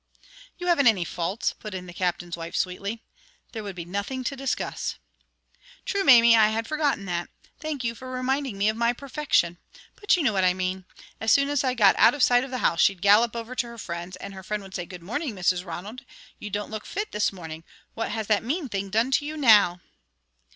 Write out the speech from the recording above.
"You haven't any faults," put in the Captain's wife, sweetly. "There would be nothing to discuss." "True, Mamie, I had forgotten that. Thank you for reminding me of my perfection. But you know what I mean. As soon as I got out of sight of the house, she'd gallop over to her friend's, and her friend would say: 'Good morning, Mrs. Ronald, you don't look fit this morning. What has that mean thing done to you now?'"